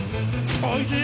おいしい！